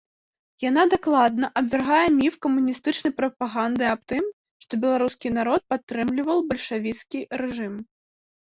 Яна дакладна абвяргае міф камуністычнай прапаганды аб тым, што беларускі народ падтрымліваў бальшавіцкі рэжым.